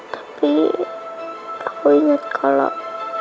tapi aku ingat kalau